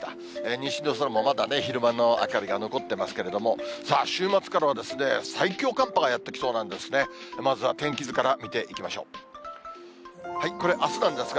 西の空もまだ昼間の明かりが残ってますけれども、さあ、週末からは最強寒波がやって来そうなんですね。